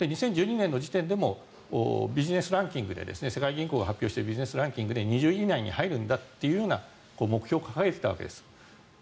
２０１２年の時点でもビジネスランキングで世界銀行が発表しているビジネスランキングで２０位以内に入るという目標を掲げていたわけです。